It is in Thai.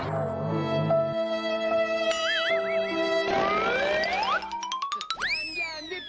นี่ค่ะนี่ค่ะ